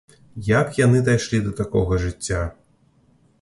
Як яны дайшлі да такога жыцця?